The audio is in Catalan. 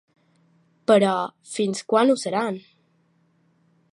Però, fins quan ho seran?